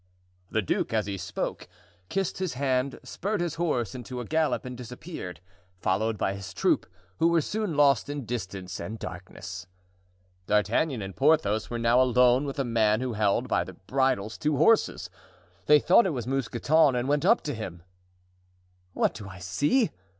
The duke, as he spoke, kissed his hand, spurred his horse into a gallop and disappeared, followed by his troop, who were soon lost in distance and darkness. D'Artagnan and Porthos were now alone with a man who held by the bridles two horses; they thought it was Mousqueton and went up to him. "What do I see?"